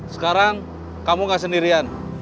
sekarang kamu gak sendirian